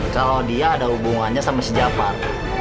kalau dia ada hubungannya sama si jafar